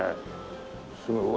すごい。